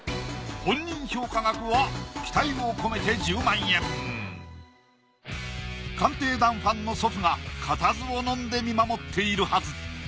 本人評価額は期待を込めて１０万円「鑑定団」ファンの祖父が固唾を飲んで見守っているはず。